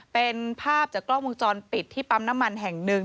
เป็นภาพจากกล้องวงจรปิดที่ปั๊มน้ำมันแห่งหนึ่ง